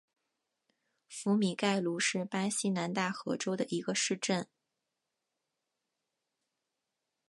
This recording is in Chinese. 福米盖鲁是巴西南大河州的一个市镇。